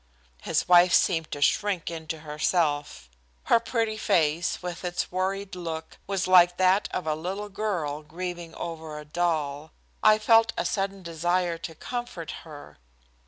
His wife seemed to shrink into herself. Her pretty face, with its worried look, was like that of a little girl grieving over a doll. I felt a sudden desire to comfort her.